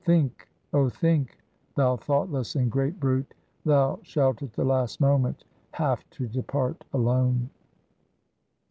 Think, O think, thou thoughtless and great brute, thou shalt at the last moment have to depart alone.